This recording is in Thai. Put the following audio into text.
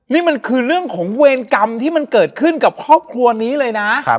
นี่มันคือเรื่องของเวรกรรมที่มันเกิดขึ้นกับครอบครัวนี้เลยนะ